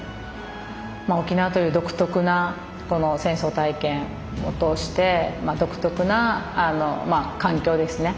沖縄という独特なこの戦争体験を通して独特な環境ですね。